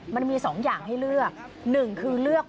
เป็น๒อย่างให้เลือก